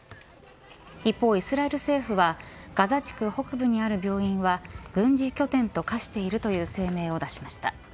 一方、イスラエル政府はガザ地区北部にある病院は軍事拠点と化しているという声明を出しました。